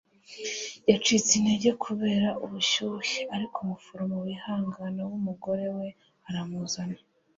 yacitse intege kubera ubushyuhe, ariko umuforomo wihangana w'umugore we aramuzana